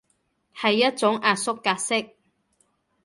係一種壓縮格式